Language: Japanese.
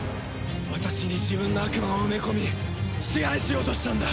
私に自分の悪魔を埋め込み支配しようとしたんだ！